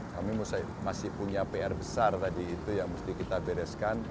kami masih punya pr besar tadi itu yang mesti kita bereskan